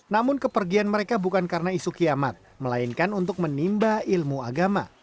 namun kepergian mereka bukan karena isu kiamat melainkan untuk menimba ilmu agama